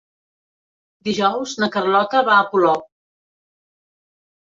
Dijous na Carlota va a Polop.